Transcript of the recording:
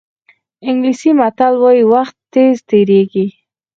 انګلیسي متل وایي وخت تېز تېرېږي.